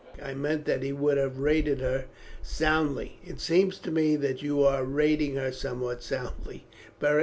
I meant that he would have rated her soundly." "It seemed to me that you were rating her somewhat soundly, Beric.